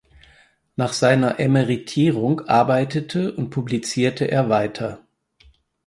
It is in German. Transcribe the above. Nach seiner Emeritierung arbeitete und publizierte er weiter.